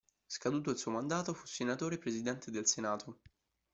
Scaduto il suo mandato, fu senatore e presidente del Senato.